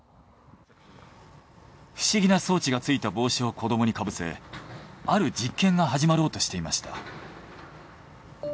不思議な装置がついた帽子を子供にかぶせある実験が始まろうとしていました。